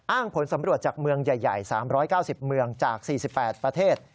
ผลสำรวจจากเมืองใหญ่๓๙๐เมืองจาก๔๘ประเทศ